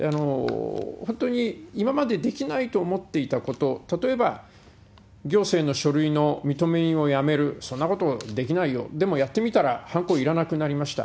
本当に今までできないと思っていたこと、例えば行政の書類の認め印をやめる、そんなことできないよ、でもやってみたら、はんこいらなくなりました。